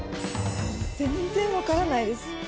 全然分からないです。